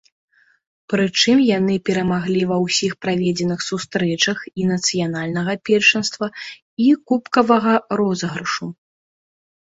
Прычым яны перамаглі ва ўсіх праведзеных сустрэчах і нацыянальнага першынства, і кубкавага розыгрышу.